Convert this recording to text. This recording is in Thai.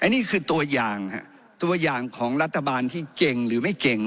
นี่คือตัวอย่างตัวอย่างของรัฐบาลที่เก่งหรือไม่เก่ง